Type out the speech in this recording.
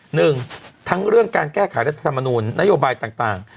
หนึ่งทั้งเรื่องการแก้ไขรัฐธรรมนูลนโยบายต่าง